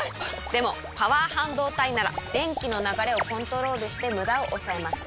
でもパワー半導体なら電気の流れをコントロールしてムダを抑えます。